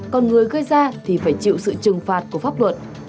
còn người gây ra thì phải chịu sự trừng phạt của pháp luật